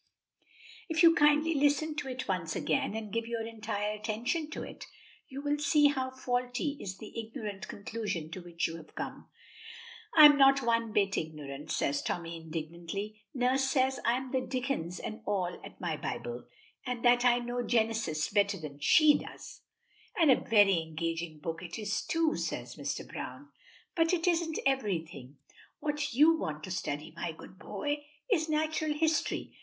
If you kindly listen to it once again, and give your entire attention to it, you will see how faulty is the ignorant conclusion to which you have come." "I'm not one bit ignorant," says Tommy indignantly. "Nurse says I'm the dickens an' all at my Bible, and that I know Genesis better'n she does." "And a very engaging book it is too," says Mr. Browne, "but it isn't everything. What you want to study, my good boy, is natural history.